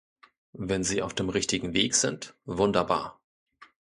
Wenn sie auf dem richtigen Weg sind, wunderbar.